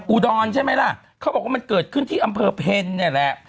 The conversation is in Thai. อุดรใช่ไหมล่ะเขาบอกว่ามันเกิดขึ้นที่อำเภอเพลเนี่ยแหละ